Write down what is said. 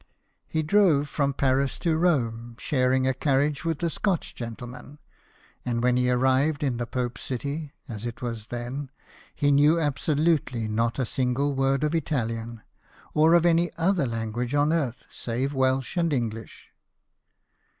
He drove from Paris to Rome, sharing a carriage with a Scotch gentle man ; and when he arrived in the Pope's city (as it then was) he knew absolutely not a single woi'd of Italian, or of any other language on earth save Welsh and English.